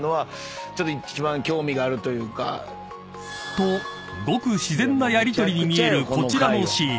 ［とごく自然なやりとりに見えるこちらのシーン］